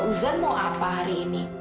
kalau izan mau apa hari ini